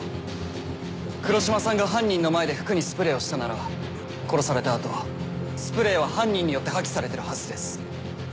黒島さんが犯人の前で服にスプレーをしたなら殺された後スプレーを犯人によって破棄されてるはずです。